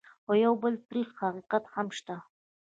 خو یو بل تريخ حقیقت هم شته: